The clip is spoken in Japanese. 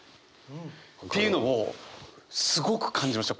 っていうのをすごく感じました